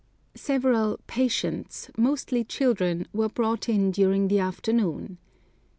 Several "patients," mostly children, were brought in during the afternoon.